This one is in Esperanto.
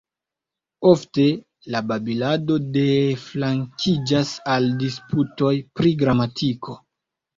Ofte, la babilado deflankiĝas al disputoj pri gramatiko.